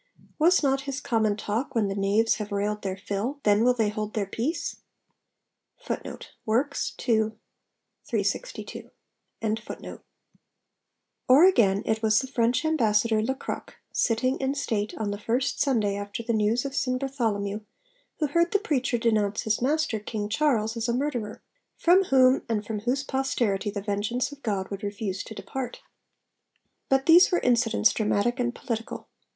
Was not his common talk, When the knaves have railed their fill, then will they hold their peace?' Or, again, it was the French Ambassador, Le Croc, sitting in state on the first Sunday after the news of St Bartholomew, who heard the preacher denounce his master, King Charles, as a 'murderer,' from whom and from whose posterity the vengeance of God would refuse to depart. But these were incidents dramatic and political.